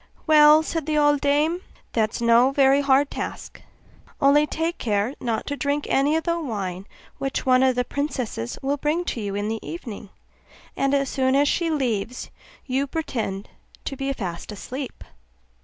'Well,' said the old dame, 'that is no very hard task: only take care not to drink any of the wine which one of the princesses will bring to you in the evening; and as soon as she leaves you pretend to be fast asleep.